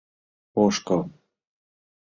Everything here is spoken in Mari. Ошкыл.